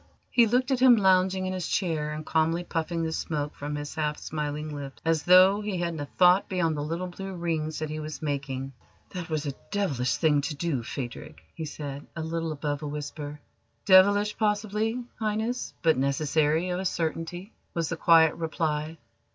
He looked at him lounging in his chair and calmly puffing the smoke from his half smiling lips as though he hadn't a thought beyond the little blue rings that he was making. "That was a devilish thing to do, Phadrig!" he said, a little above a whisper. "Devilish, possibly, Highness, but necessary, of a certainty," was the quiet reply.